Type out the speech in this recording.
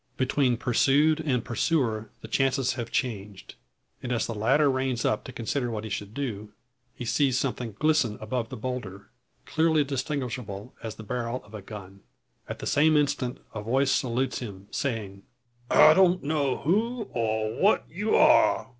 Between pursued and pursuer the chances have changed; and as the latter reins up to consider what he should do, he sees something glisten above the boulder, clearly distinguishable as the barrel of a gun. At the same instant a voice salutes him, saying: "I don't know who, or what you are.